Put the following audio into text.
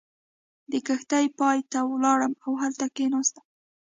د کښتۍ پای ته ولاړم او هلته کېناستم.